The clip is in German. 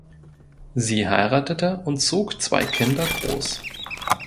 Sie heiratete und zog zwei Kinder groß.